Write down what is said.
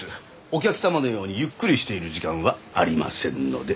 お客様のようにゆっくりしている時間はありませんので。